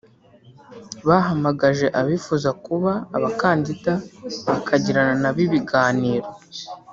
bahamagaje abifuza kuba abakandida bakagirana nabo ibiganiro